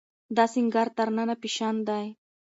دا سينګار تر ننه فېشن دی.